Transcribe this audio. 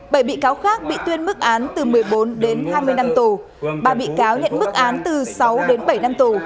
bảy bị cáo khác bị tuyên mức án từ một mươi bốn đến hai mươi năm tù ba bị cáo nhận mức án từ sáu đến bảy năm tù